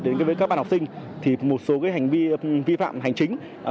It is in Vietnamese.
đến với các bạn học sinh thì một số hành vi vi phạm hành chính